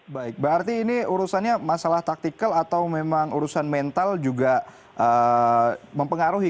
baik berarti ini urusannya masalah taktikal atau memang urusan mental juga mempengaruhi